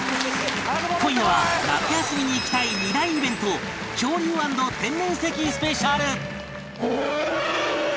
今夜は夏休みに行きたい２大イベント恐竜＆天然石スペシャル